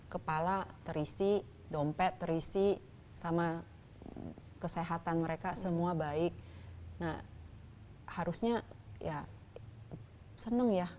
kepala terisi dompet terisi sama kesehatan mereka semua baik nah harusnya ya seneng ya